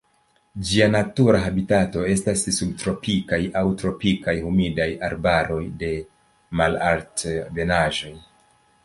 Ĝia natura habitato estas subtropikaj aŭ tropikaj humidaj arbaroj de malalt-ebenaĵoj.